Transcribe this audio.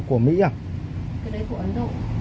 cái đấy của ấn độ